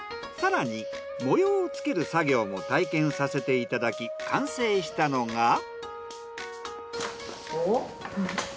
更に模様をつける作業も体験させていただき完成したのが。